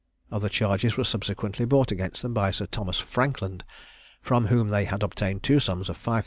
Other charges were subsequently brought against them by Sir Thomas Frankland, from whom they had obtained two sums of 5000_l.